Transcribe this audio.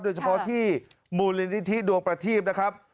โดยเฉพาะที่มูลนิธิดวงประทีพนะครับ